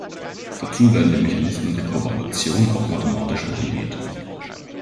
Dazu werden die Mechanismen der Kooperation auch mathematisch modelliert.